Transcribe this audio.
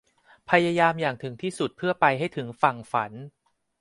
พยายามอย่างถึงที่สุดเพื่อไปให้ถึงฝั่งฝัน